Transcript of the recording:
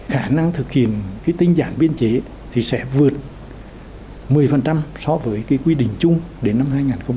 khả năng thực hiện tinh giản biên chế thì sẽ vượt một mươi so với cái quy định chung đến năm hai nghìn hai mươi